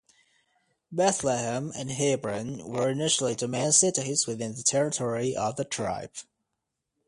Bethlehem and Hebron were initially the main cities within the territory of the tribe.